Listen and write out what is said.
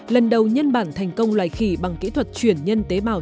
lần đầu nhân bản thành công loài khỉ bằng kỹ thuật chuyển nhân tế bào